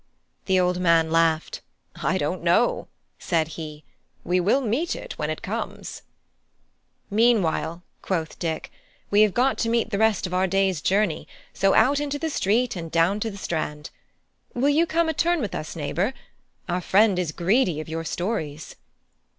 The old man laughed. "I don't know," said he; "we will meet it when it comes." "Meanwhile," quoth Dick, "we have got to meet the rest of our day's journey; so out into the street and down to the strand! Will you come a turn with us, neighbour? Our friend is greedy of your stories."